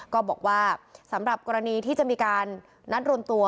ก็บอกว่าสำหรับกรณีที่จะมีการนัดรวมตัว